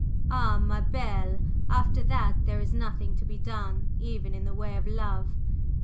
"Ah, ma belle, after that there is nothing to be done even in the way of love.